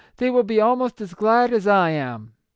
They will be almost as glad as I am